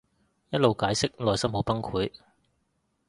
一路解釋內心好崩潰